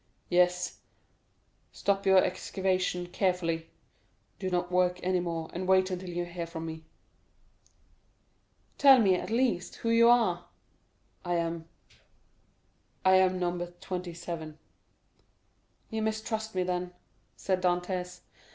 "Yes; stop up your excavation carefully, do not work any more, and wait until you hear from me." "Tell me, at least, who you are?" "I am—I am No. 27." "You mistrust me, then," said Dantès.